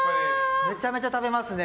めちゃめちゃ食べますね。